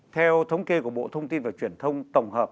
theo thống kê của bộ thông tin và truyền thông tổng hợp